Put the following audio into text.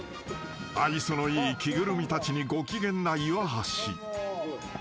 ［愛想のいい着ぐるみたちにご機嫌な岩橋］